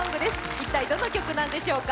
一体どの曲なんでしょうか。